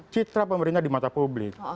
citra pemerintah di mata publik